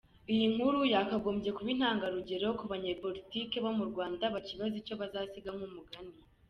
Iyi nkuru yakagombye kuba intanga rugero kubanyapolitique bo murwanda bakibaza icyo bazasiga nkumugani.